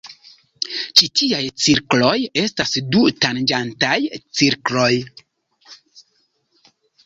Ĉi tiaj cirkloj estas du-tanĝantaj cirkloj.